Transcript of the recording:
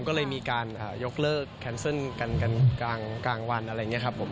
ก็เลยมีการยกเลิกแคนเซิลกันกลางวันอะไรอย่างนี้ครับผม